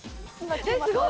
すごい！